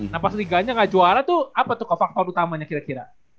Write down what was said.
nah pas liganya gak juara tuh apa tuh faktor utamanya kira kira